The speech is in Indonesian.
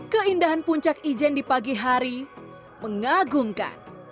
keindahan puncak ijen di pagi hari mengagumkan